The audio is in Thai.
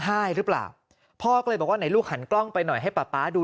ให้หรือเปล่าพ่อก็เลยบอกว่าไหนลูกหันกล้องไปหน่อยให้ป๊าป๊าดู